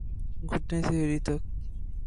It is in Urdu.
گھٹنے سے ایڑی تک